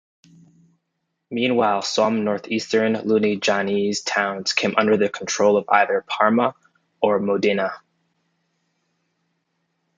Meanwhile, some northeastern Lunigianese towns came under the control of either Parma or Modena.